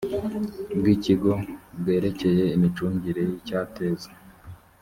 bw ikigo bwerekeye imicungire y icyateza